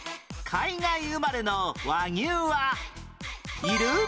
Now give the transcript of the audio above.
海外生まれの和牛はいる？